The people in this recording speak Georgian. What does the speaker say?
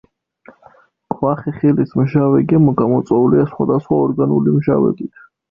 მკვახე ხილის მჟავე გემო გამოწვეულია სხვადასხვა ორგანული მჟავებით.